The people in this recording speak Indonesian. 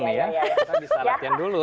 kita bisa latihan dulu